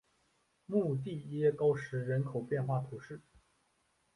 穆蒂耶高石人口变化图示